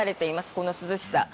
この涼しさ。